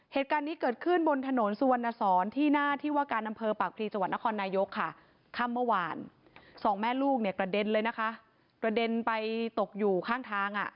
เหตุการณ์เกิดขึ้นบนถนนส่วนอสรภิต